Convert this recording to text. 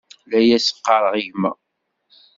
La as-ɣɣareɣ i gma.